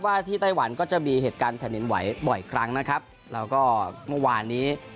ว่าที่ไต้หวันก็จะมีเหตุการณ์แผ่นดินไหวบ่อยครั้งนะครับแล้วก็เมื่อวานนี้